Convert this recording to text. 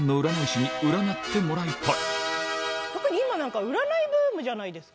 特に今なんか占いブームじゃないですか。